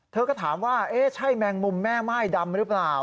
เธอก็ถามว่าเอ๊ะใช่แมงมุมแม่ม่ายดำหรือเปล่า